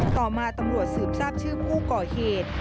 ต่อมาตำรวจสืบทราบชื่อผู้ก่อเหตุ